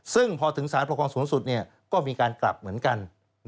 ซึ่งพอถึงสารปกครองสูงสุดก็มีการกลับเหมือนกัน